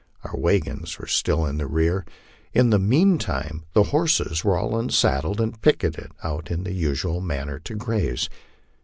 Our wagons were still in rear. In the mean time the horses were all unsaddled and pick eted out in the usual manner to graze.